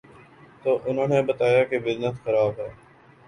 تو انہوں نے بتایا کہ بزنس خراب ہے۔